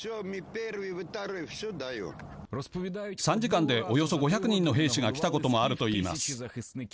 ３時間でおよそ５００人の兵士が来たこともあると言います。